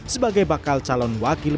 sebagai bakal calon wakil